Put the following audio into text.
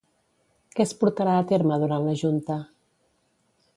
Què es portarà a terme durant la junta?